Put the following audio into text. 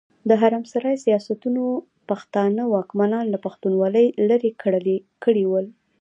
د حرم سرای سياستونو پښتانه واکمنان له پښتونولي ليرې کړي ول.